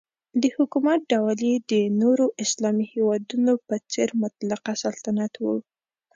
د حکومت ډول یې د نورو اسلامي هیوادونو په څېر مطلقه سلطنت و.